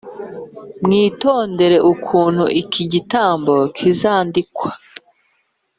mwitondere ukuntu iki gitabo kizandikwa